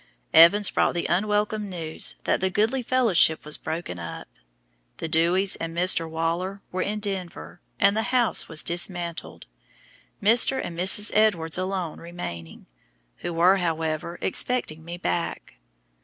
Evans brought the unwelcome news that the goodly fellowship was broken up. The Dewys and Mr. Waller were in Denver, and the house was dismantled, Mr. and Mrs. Edwards alone remaining, who were, however, expecting me back.